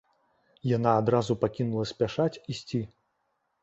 Яна адразу пакінула спяшаць ісці.